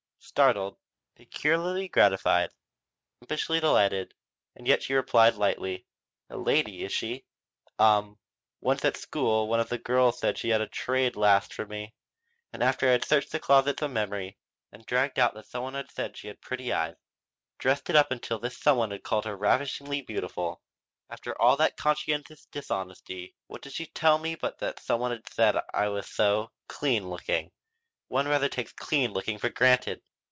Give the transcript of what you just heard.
Startled, peculiarly gratified, impishly delighted, she yet replied lightly: "A lady, is she? Um. Once at school one of the girls said she had a 'trade last' for me, and after I had searched the closets of memory and dragged out that some one had said she had pretty eyes, dressed it up until this some one had called her ravishingly beautiful after all that conscientious dishonesty what does she tell me but that some one had said I was so 'clean looking.' One rather takes 'clean looking' for granted!